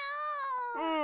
うん。